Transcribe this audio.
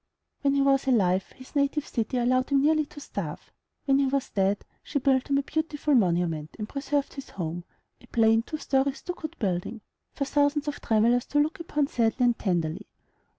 When he was alive, his native city allowed him nearly to starve; when he was dead, she built him a beautiful monument, and preserved his home, a plain two story, stuccoed building, for thousands of travellers to look upon sadly and tenderly.